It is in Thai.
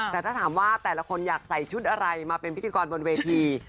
แต่ถ้าถามว่าแต่ละคนอยากใส่ชุดอะไรมาเป็นพิธีกรบนเวที